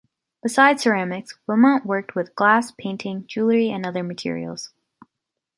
Besides ceramics, Wilmot worked with glass, painting, jewelry and other materials.